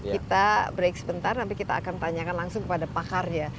kita break sebentar nanti kita akan tanyakan langsung kepada pakarnya